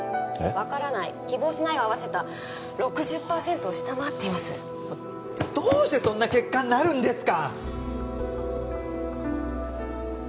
「分からない」「希望しない」を合わせた６０％を下回っていますどうしてそんな結果になるんですか！